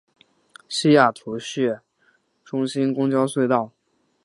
西雅图市中心公交隧道。